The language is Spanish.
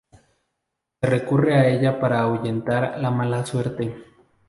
Se recurre a ella para ahuyentar la mala suerte.